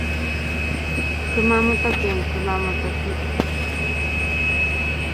熊本県熊本市